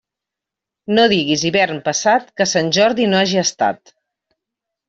No diguis hivern passat que Sant Jordi no hagi estat.